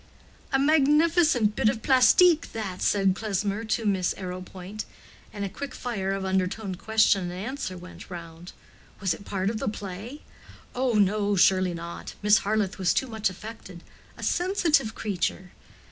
"A magnificent bit of plastik that!" said Klesmer to Miss Arrowpoint. And a quick fire of undertoned question and answer went round. "Was it part of the play?" "Oh, no, surely not. Miss Harleth was too much affected. A sensitive creature!"